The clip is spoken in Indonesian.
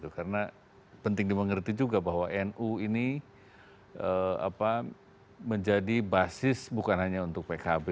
karena penting dimengerti juga bahwa nu ini menjadi basis bukan hanya untuk pkb